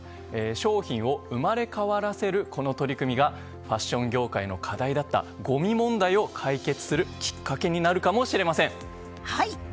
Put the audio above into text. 商品を生まれ変わらせるこの取り組みがファッション業界の課題だったごみ問題を解決するきっかけになるかもしれません。